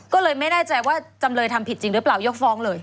ก็เลยไม่แน่ใจว่าจำเลยทำผิดจริงหรือเปล่ายกฟ้องเลย